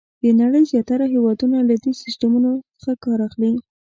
د نړۍ زیاتره هېوادونه له دې سیسټمونو څخه کار اخلي.